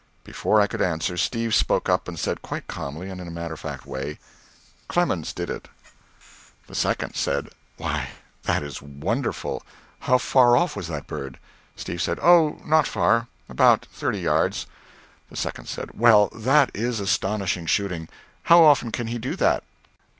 Before I could answer, Steve spoke up and said quite calmly, and in a matter of fact way, "Clemens did it." The second said, "Why, that is wonderful. How far off was that bird?" Steve said, "Oh, not far about thirty yards." The second said, "Well, that is astonishing shooting. How often can he do that?"